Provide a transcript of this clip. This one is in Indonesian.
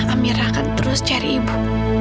amirah akan terus cari ibu